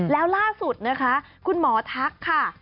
แล้วล่าสุดนะคะคุณหมอทักค่ะ